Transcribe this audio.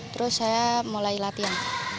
terus saya mulai latihan